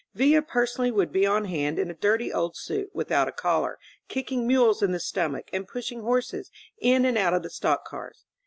Villa personally would be on hapd in a dirty old suit, without a collar, kicking mules in, the stomach and pushing horses in and out of the stock cars.